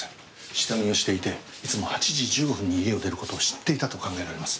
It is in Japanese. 下見をしていていつも８時１５分に家を出る事を知っていたと考えられます。